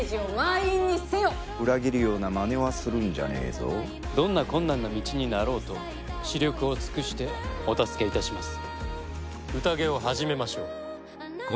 裏切るようなまねはどんな困難な道になろうと死力を尽くしてお助けいたします。